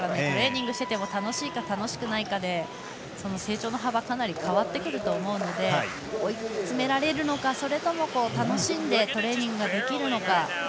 トレーニングにしていても楽しいか楽しくないかで成長の幅がかなり変わってくると思うので追い詰められるのかそれとも楽しんでトレーニングできるのか